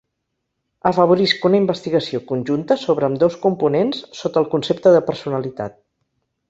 Afavorisc una investigació conjunta sobre ambdós components sota el concepte de personalitat.